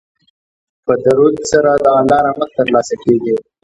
په درود سره د الله رحمت ترلاسه کیږي.